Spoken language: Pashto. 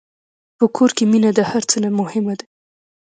په کور کې مینه د هر څه نه مهمه ده.